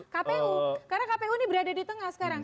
kpu karena kpu ini berada di tengah sekarang